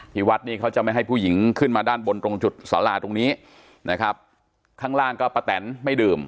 วัดนี้เขาจะไม่ให้ผู้หญิงขึ้นมาด้านบนตรงจุดสาราตรงนี้นะครับข้างล่างก็ป้าแตนไม่ดื่ม